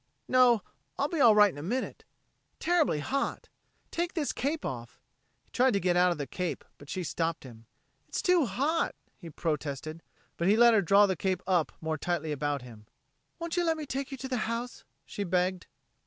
"No be all right in a minute. Terribly hot! Take this cape off." He tried to get out of the cape, but she stopped him. "It's too hot," he protested, but he let her draw the cape up more tightly about him. "Won't you let me take you to the house?" she begged.